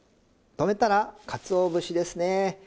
止めたらかつお節ですね。